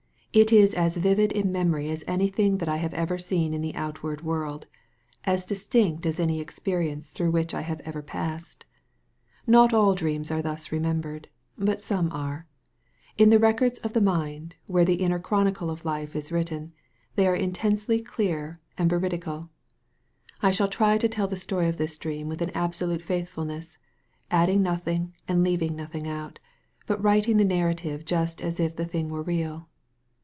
It is as vivid in memory as anything that I have ever seen in the outward world, as distinct as any experience through which I have ever passed. Not all dreams are thus remembered. But some are. In the records of the mind, where the inner chronicle of life is written, they are intensely clear and veridical. I shall try to tell the story of this dream with an absolute faithfulness, adding nothing and leaving nothing out, but writing the narrative just as if the thing were real.